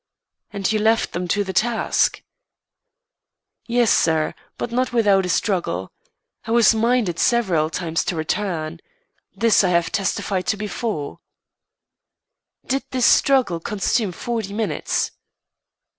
"And you left them to the task?" "Yes, sir, but not without a struggle. I was minded several times to return. This I have testified to before." "Did this struggle consume forty minutes?"